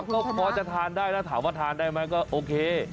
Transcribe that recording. ก็พอจะทานได้แล้วถามว่าทานได้ไหมก็โอเค